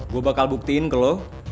gue bakal buktiin ke lo